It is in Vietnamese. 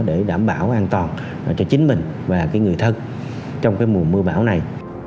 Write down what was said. để đảm bảo an toàn cho chính mình và người thân trong mùa mưa bão này